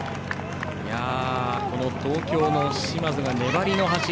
東京の嶋津が粘りの走り。